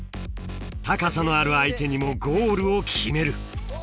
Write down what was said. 高さのある相手にもゴールを決める。